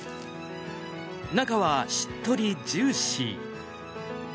中はしっとりジューシー。